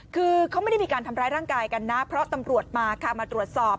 คือเขาไม่ได้มีการทำร้ายร่างกายกันนะเพราะตำรวจมาค่ะมาตรวจสอบ